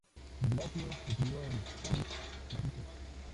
De Blasio se crio en Cambridge, Massachusetts.